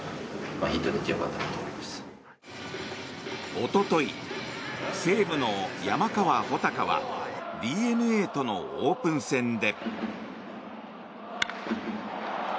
おととい、西武の山川穂高はＤｅＮＡとのオープン戦で。